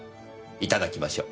いただきましょう。